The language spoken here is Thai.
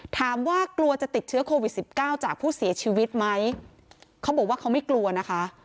ถามว่ากลัวจะติดเชื้อโควิดสิบเก้าจากผู้เสียชีวิตไหมเขาบอกว่าเขาไม่กลัวนะคะ